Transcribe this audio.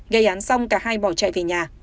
gây án xong cả hai bỏ chạy về nhà